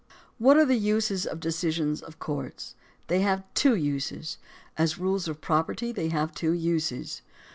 What are the uses of decisions of courts? They have two uses. As rules of property they have two uses.